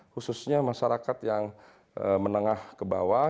khususnya masyarakat yang menengah ke bawah